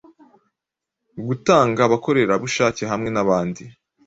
gutanga abakorerabushake hamwe nabandi